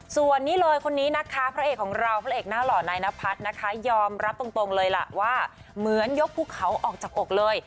ส่วนนี้เลยคนนี้นะคะพระเอกของเราพระเอกหน้าหล่อนายนพัฒน์นะคะยอมรับตรงเลยล่ะว่าเหมือนยกภูเขาออกจากอกเลย